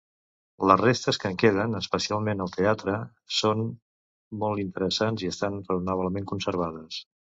Les restes que en queden, especialment el teatre, són molt interessants i estan raonablement conservades.